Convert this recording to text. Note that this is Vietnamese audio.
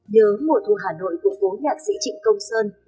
nhớ mùa thu hà nội của cố nhạc sĩ trịnh công sơn